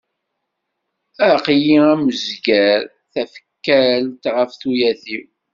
Aql-i am uzger, tafekkalt ɣef tuyat-iw.